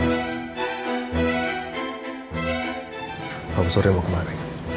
maaf saya mau kemana